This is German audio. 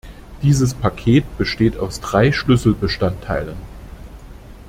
Dieses Paket besteht aus drei Schlüsselbestandteilen.